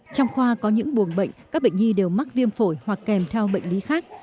trong khoa có những buồng bệnh các bệnh nhi đều mắc viêm phổi hoặc kèm theo bệnh lý khác